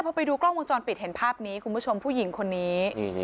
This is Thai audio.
พอไปดูกล้องวงจรปิดเห็นภาพนี้คุณผู้ชมผู้หญิงคนนี้